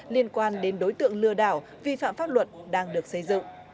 liên quan đến đối tượng lừa đảo vi phạm pháp luật đang được xây dựng